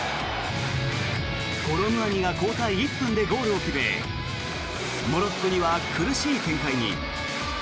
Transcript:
コロムアニが交代１分でゴールを決めモロッコには苦しい展開に。